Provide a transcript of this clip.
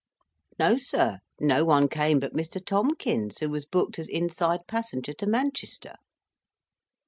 "No, sir; no one came but Mr. Tomkins, who was booked as inside passenger to Manchester."